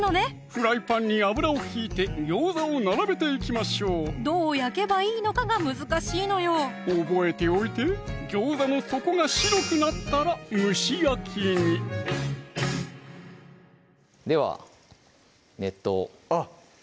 フライパンに油を引いてギョーザを並べていきましょうどう焼けばいいのかが難しいのよ覚えておいてギョーザの底が白くなったら蒸し焼きにでは熱湯をあっ